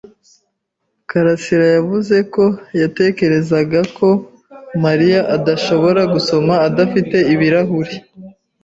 karasira yavuze ko yatekerezaga ko Mariya adashobora gusoma adafite ibirahure.